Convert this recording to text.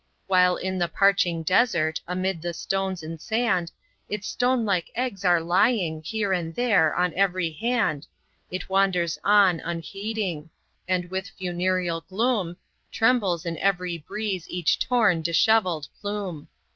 While in the parching desert, amid the stones and sand, Its stone like eggs are lying, here and there, on every hand, It wanders on, unheeding; and, with funereal gloom, Trembles in every breeze each torn, dishevelled plume.